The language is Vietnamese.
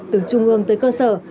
từ trung ương tới cơ sở